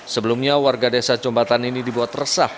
sebelumnya warga desa combatan ini dibuat resah